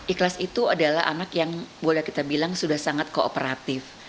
ikhlas itu adalah anak yang boleh kita bilang sudah sangat kooperatif